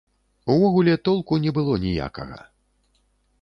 Увогуле, толку не было ніякага.